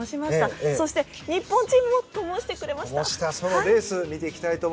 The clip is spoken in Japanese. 自分自身と日本チームをともしてくれました。